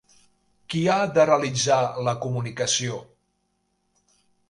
Qui ha de realitzar la comunicació.